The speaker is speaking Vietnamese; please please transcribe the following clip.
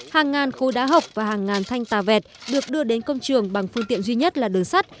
hàng ngàn khối đá hộp và hàng ngàn thanh tàu vẹt được đưa đến công trường bằng phương tiện duy nhất là đường sắt